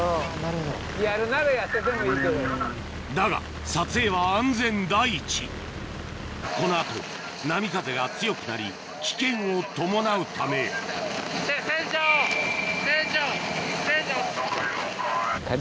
だが撮影は安全第一この後波風が強くなり危険を伴うため・船長船長船長！